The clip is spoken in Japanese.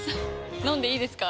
飲んでいいですか？